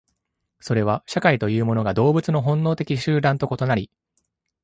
それは社会というものが動物の本能的集団と異なり、